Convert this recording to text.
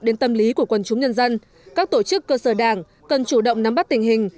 đến tâm lý của quần chúng nhân dân các tổ chức cơ sở đảng cần chủ động nắm bắt tình hình